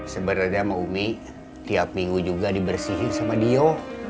seberada sama umi tiap minggu juga dibersihin sama dio